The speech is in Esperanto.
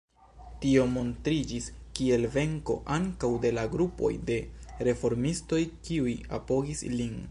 Tio montriĝis kiel venko ankaŭ de la grupoj de reformistoj kiuj apogis lin.